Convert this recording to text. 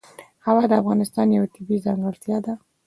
هوا د افغانستان یوه طبیعي ځانګړتیا ده.